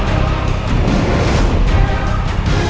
saya akan menjaga kebenaran raden